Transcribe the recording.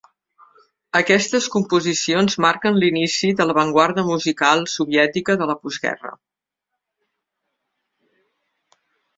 Aquestes composicions marquen l'inici de l'avantguarda musical soviètica de la postguerra.